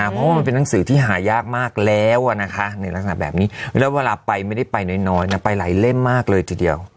เพราะว่ามันเป็นหนังสือที่หายากมากแล้วนะคะในลักษณะแบบนี้แล้วเวลาไปไม่ได้ไปน้อยนะไปหลายเล่มมากเลยทีเดียว